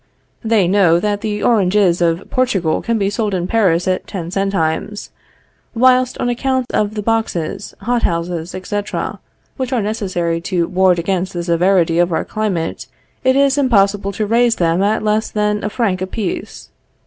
They know that the oranges of Portugal can be sold in Paris at ten centimes, whilst on account of the boxes, hot houses, etc., which are necessary to ward against the severity of our climate, it is impossible to raise them at less than a franc apiece.